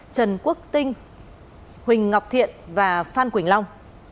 trần quốc tinh huỳnh ngọc thiện và phan quỳnh long